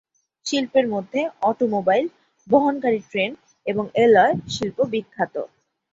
শিল্পের মধ্যে অটোমোবাইল, বহনকারী ট্রেন এবং এলয় শিল্প বিখ্যাত।